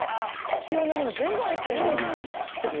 必要なもの全部入ってるじゃない。